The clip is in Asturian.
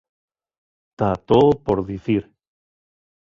Ta too por dicir.